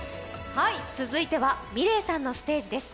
続いてはｍｉｌｅｔさんのステージです。